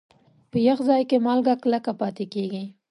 په یخ ځای کې مالګه کلکه پاتې کېږي.